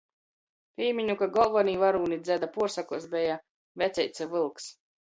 Pīmiņu, ka golvonī varūni dzeda puorsokuos beja Veceits i Vylks.